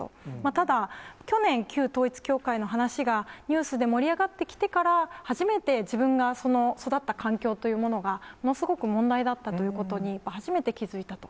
ただ、去年、旧統一教会の話がニュースで盛り上がってきてから、初めて自分が育った環境というものが、ものすごく問題だったということに、初めて気付いたと。